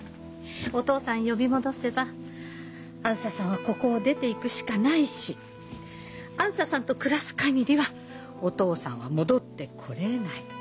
お父さん呼び戻せばあづささんはここを出ていくしかないしあづささんと暮らす限りはお父さんは戻ってこれない。